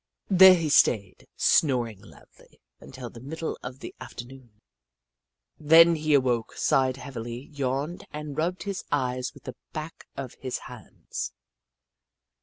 There he stayed, snoring loudly, until the middle of the after noon. Then he awoke, sighed heavily, yawned, and rubbed his eyes with the backs of his hands.